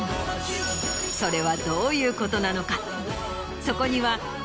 それはどういうことなのか？